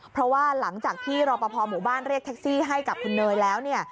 เพราะว่าหลังจากที่รอปภหมู่บ้านเรียกแท็กซี่ให้กับคุณเนยแล้ว